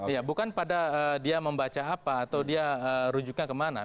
iya bukan pada dia membaca apa atau dia rujuknya kemana